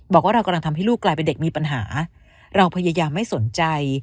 บอกว่าเรากำลังทำให้ลูกกลายเป็นเด็กมีปัญหาเราพยายามไม่สนใจ